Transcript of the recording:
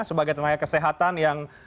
sebagai tenaga kesehatan yang